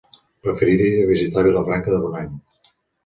Preferiria visitar Vilafranca de Bonany.